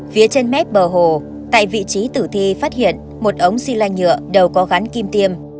phía trên mép bờ hồ tại vị trí tử thi phát hiện một ống xi lanh nhựa đều có gắn kim tiêm